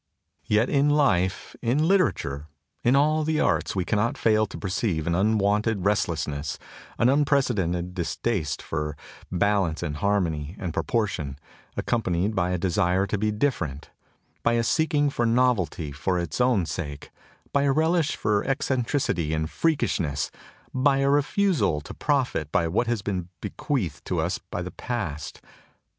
Yet in life, in literature, in all the arts we cannot fail to perceive an unwonted restlessness, an unprecedented distaste for balance and har mony and proportion, accompanied by a desire to be different, by a seeking for novelty for its own sake, by a relish for eccentricity and freak ishness, by a refusal to profit by what has been bequeathed to us by the past.